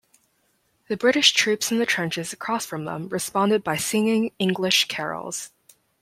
The British troops in the trenches across from them responded by singing English carols.